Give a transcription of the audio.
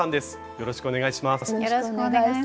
よろしくお願いします。